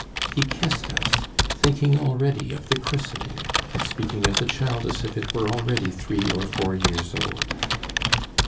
He kissed us, thinking already of the christening, and speaking of the child as if it were already three or four years old.